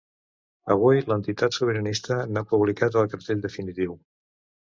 Avui, l’entitat sobiranista n’ha publicat el cartell definitiu.